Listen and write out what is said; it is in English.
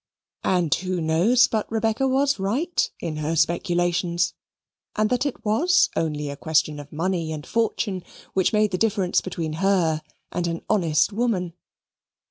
And who knows but Rebecca was right in her speculations and that it was only a question of money and fortune which made the difference between her and an honest woman?